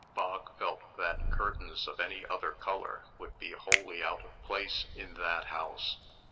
Bog felt that curtains of any other color would be wholly out of place in that house.